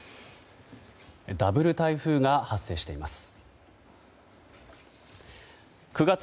ダブル台風が発生しています。